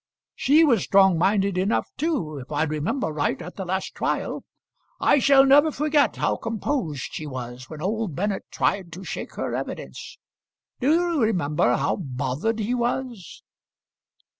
"She was strong minded enough too, if I remember right, at the last trial. I shall never forget how composed she was when old Bennett tried to shake her evidence. Do you remember how bothered he was?"